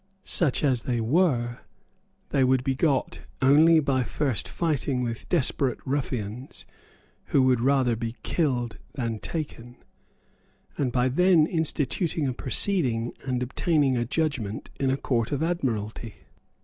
Such as they were, they would be got only by first fighting with desperate ruffians who would rather be killed than taken, and by then instituting a proceeding and obtaining a judgment in a Court of Admiralty.